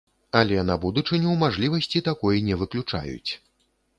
Але на будучыню мажлівасці такой не выключаюць.